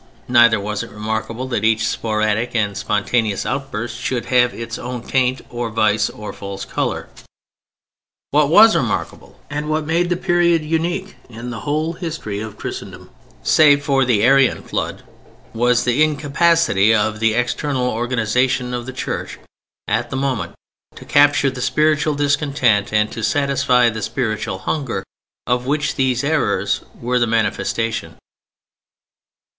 Neither was it remarkable that each such sporadic and spontaneous outburst should have its own taint or vice or false color. What was remarkable and what made the period unique in the whole history of Christendom (save for the Arian flood) was the incapacity of the external organization of the Church at the moment to capture the spiritual discontent, and to satisfy the spiritual hunger of which these errors were the manifestation.